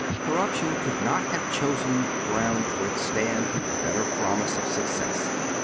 Corruption could not have chosen ground for its stand with better promise of success.